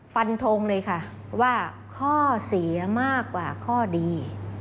ฟันทงเลยค่ะว่าข้อเสียมากกว่าข้อดี